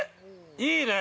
いいねえ！